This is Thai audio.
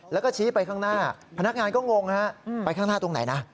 แล้วก็ชี้ไปข้างหน้าพนักงานก็งงฮะไปข้างหน้าตรงไหนนะ